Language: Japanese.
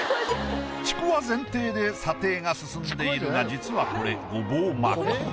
ちくわ前提で査定が進んでいるが実はこれ。